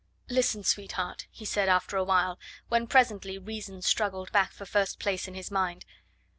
"Listen, sweetheart," he said after awhile, when presently reason struggled back for first place in his mind.